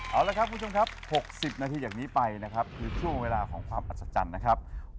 เอาละครับคุณผู้ชมครับ๖๐นาทีจากนี้ไปนะครับคือช่วงเวลาของความอัศจรรย์นะครับ